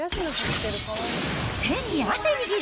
手に汗握る！